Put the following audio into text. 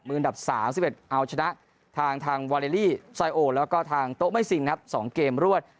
อันดับ๓๑เอาชนะทางทางวาเลลี่ไซโอแล้วก็ทางโต๊ะไม่ซิงครับ๒เกมรวด